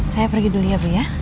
saya pergi dulu ya bu ya